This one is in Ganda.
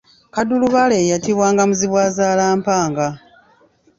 Kaddulubaale ye yayitibwanga Muzibwazaalampanga.